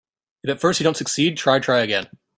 If at first you don't succeed, try, try again.